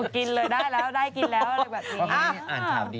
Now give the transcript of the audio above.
กินเลยได้แล้วได้กินแล้ว